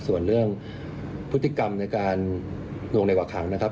ส่วนเรื่องพฤติกรรมในการหน่วงในหวักค้างนะครับ